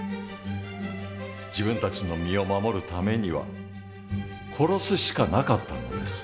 自分たちの身を守るためには殺すしかなかったのです。